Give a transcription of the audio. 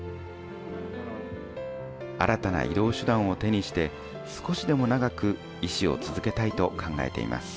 新たな移動手段を手にして、少しでも長く医師を続けたいと考えています。